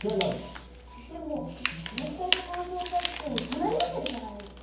でも熱帯と乾燥帯って隣り合ってるじゃないですか。